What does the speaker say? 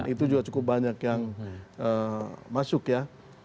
itu juga cukup banyak yang masuk ya